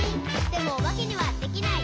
「でもおばけにはできない。」